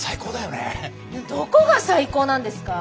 どこが最高なんですか！？